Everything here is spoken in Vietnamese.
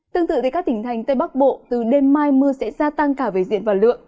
tương tự các tỉnh thành tây bắc bộ từ đêm mai mưa sẽ gia tăng cả về diện và lượng